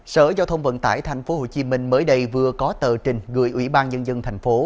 sở giao thông vận tải tp hcm mới đây vừa có tờ trình gửi ủy ban nhân dân thành phố